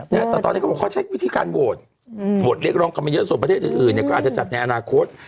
แต่ตอนนี้เขาใช้วิธีการโหวตโหวตเล็กร้องกันไม่เยอะส่วนประเทศอื่นก็อาจจะจัดในอนาคต